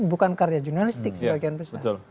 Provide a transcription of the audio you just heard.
bukan karya jurnalistik sebagian besar